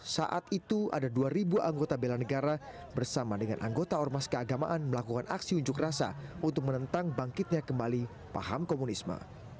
saat itu ada dua anggota belan negara bersama dengan anggota ormas keagamaan melakukan aksi unjuk rasa untuk menentang bangkitnya kembali paham komunisme